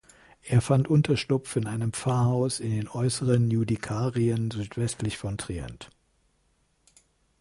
Er fand Unterschlupf in einem Pfarrhaus in den Äußeren Judikarien südwestlich von Trient.